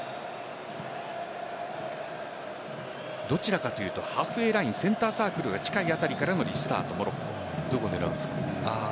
どちらかというとハーフウェーラインセンターサークルが近いあたりからのリスタートモロッコ。